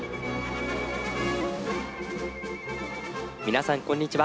皆さんこんにちは。